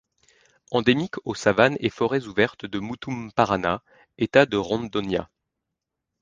Endémique aux savanes et forêts ouvertes de Mutumparaná, État de Rondônia.